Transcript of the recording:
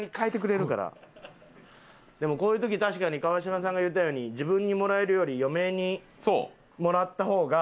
でもこういう時確かに川島さんが言うたように自分にもらえるより嫁にもらった方が。